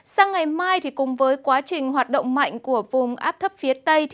sang ngày mai cùng với quá trình hoạt động mạnh của vùng áp thấp phía tây